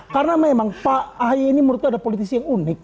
karena memang pak ahy ini menurutku ada politisi yang unik